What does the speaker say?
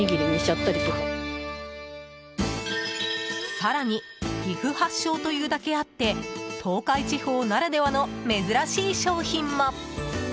更に岐阜発祥というだけあって東海地方ならではの珍しい商品も。